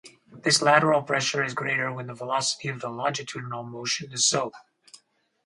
This lateral pressure is greater when the velocity of the longitudinal motion is so.